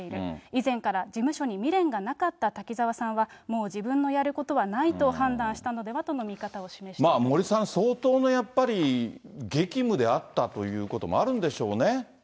以前から事務所に未練がなかった滝沢さんは、もう自分のやることはないと判断したのではとの見方を示していま森さん、相当のやっぱり、激務であったということもあるんでしょうね。